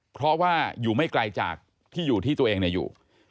เพราะว่าอยู่ไม่ไกลจากที่อยู่ที่ตัวเองอยู่